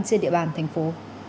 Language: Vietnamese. trên địa bàn thành phố